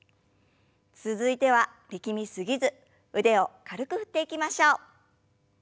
続いては力み過ぎず腕を軽く振っていきましょう。